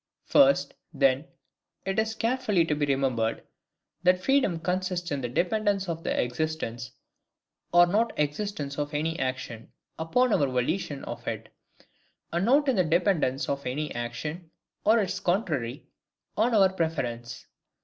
First, then, it is carefully to be remembered, That freedom consists in the dependence of the existence, or not existence of any ACTION, upon our VOLITION of it; and not in the dependence of any action, or its contrary, on our PREFERENCE.